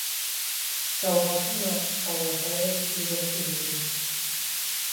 سوغاتونه او وسایل لېږل شوي دي.